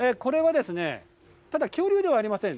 これはですね、ただ恐竜ではありません。